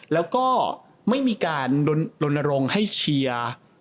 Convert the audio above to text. แล้วก็ไม่มีการลนรงค์ให้เชียร์